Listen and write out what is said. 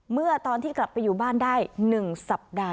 เมื่อตอนที่กลับไปอยู่บ้านได้๑สัปดาห์